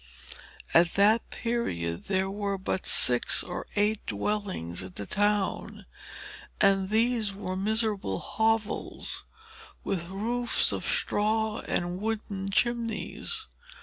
At that period there were but six or eight dwellings in the town; and these were miserable hovels, with roofs of straw and wooden chimneys.